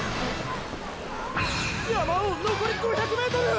山王のこり５００ｍ！！